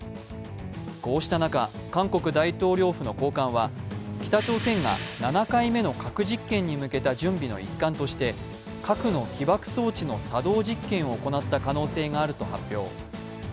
こうした中、韓国大統領府の高官は北朝鮮が７回目の核実験の準備の一環として、核の起爆装置の作動実験を行った可能性があると発表。